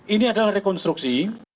ini adalah rekonstruksi